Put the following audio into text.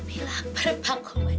tapi lapar pak komandan